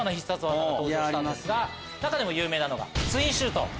中でも有名なのがツインシュート。